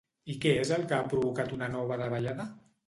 I què és el que ha provocat una nova davallada?